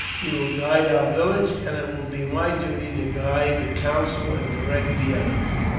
22B He will guide one village, and it will be my duty to guide the council and direct the other.